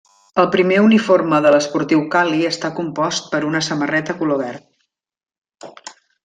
El primer uniforme de l'Esportiu Cali està compost per una samarreta color verd.